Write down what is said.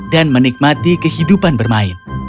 dan menikmati kehidupan bermain